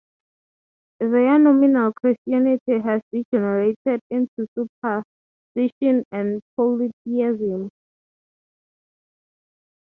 Their nominal Christianity has degenerated into superstition and polytheism.